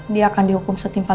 dia akan dihukum setimpal